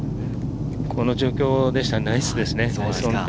この状況だったらナイスですね。